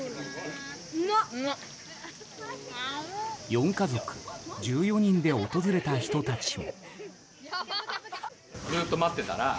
４家族１４人で訪れた人たちも。